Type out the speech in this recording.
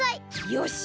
よし！